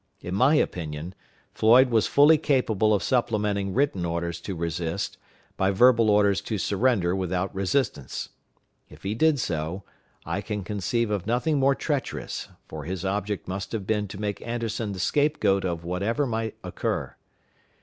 In my opinion, Floyd was fully capable of supplementing written orders to resist, by verbal orders to surrender without resistance. If he did so, I can conceive of nothing more treacherous, for his object must have been to make Anderson the scape goat of whatever might occur.